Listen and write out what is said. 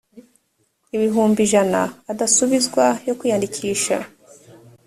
ibihumbi ijana adasubizwa yo kwiyandikisha